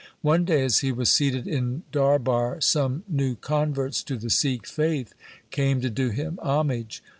One day as he was seated in darbar some new converts to the Sikh faith came to do him homage.